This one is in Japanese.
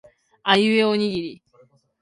あいうえおにぎり